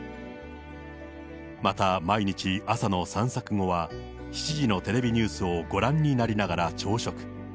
また毎日、朝の散策後は、７時のテレビニュースをご覧になりながら朝食。